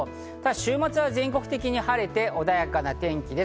週末は全国的に晴れて穏やかな天気です。